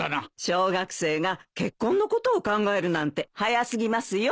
小学生が結婚のことを考えるなんて早過ぎますよ。